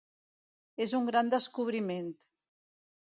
És un gran descobriment.